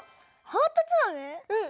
うん！